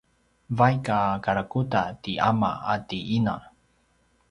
vaik a karakuda ti ama ati ina